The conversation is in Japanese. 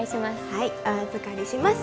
はいお預かりします